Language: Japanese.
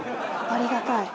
ありがたいね。